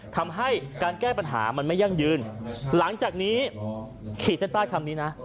ทำให้การแก้ปัญหามันไม่ยั่งยืนหลังจากนี้ขีดเส้นใต้คำนี้นะ